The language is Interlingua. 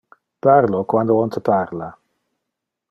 Parla quando on te parla.